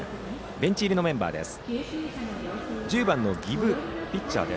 ベンチ入りのメンバーです。